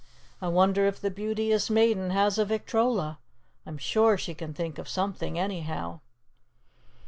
I wonder if the Beauteous Maiden has a victrola. I'm sure she can think of something, anyhow."